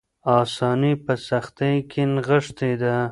آساني په سختۍ کې نغښتې ده.